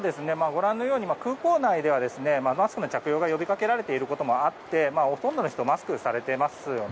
ご覧のように空港内ではマスクの着用が呼びかけられていることもあってほとんどの人がマスクをされています。